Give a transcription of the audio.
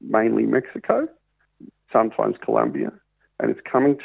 bahaya yang berbeda dengan kokain